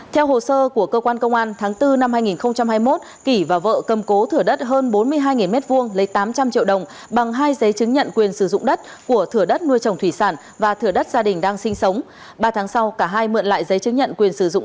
theo hồ sơ của cơ quan công an tháng bốn năm hai nghìn hai mươi một kỳ và võ cầm cố thửa đất hơn bốn mươi hai m hai lấy tám trăm linh triệu đồng bằng hai giấy chứng nhận quyền sử dụng đất của thửa đất nuôi chồng thủy sản và thửa đất gia đình đang sinh sống